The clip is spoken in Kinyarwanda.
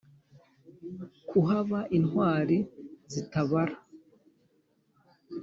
kuhaba intwari zitabara.